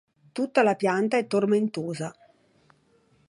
Tutta la pianta è tomentosa.